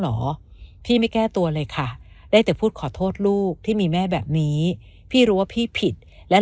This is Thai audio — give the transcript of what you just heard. เหรอพี่ไม่แก้ตัวเลยค่ะได้แต่พูดขอโทษลูกที่มีแม่แบบนี้พี่รู้ว่าพี่ผิดและ